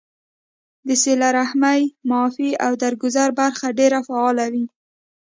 د صله رحمۍ ، معافۍ او درګذر برخه ډېره فعاله وي